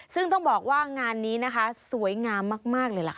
ซึ่งต้องบอกว่างานนี้นะคะสวยงามมากเลยล่ะค่ะ